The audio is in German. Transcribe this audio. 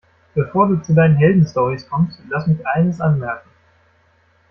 Bevor du zu deinen Heldenstorys kommst, lass mich eines anmerken.